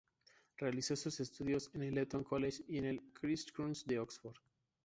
Realizó sus estudios en el Eton College y en el Christ Church de Oxford.